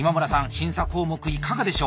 審査項目いかがでしょう？